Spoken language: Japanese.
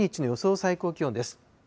最高気温です。